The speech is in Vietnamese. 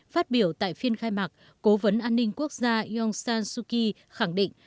phát biểu tại phiên khai mạc cố vấn an ninh quốc gia yongsan suki khẳng định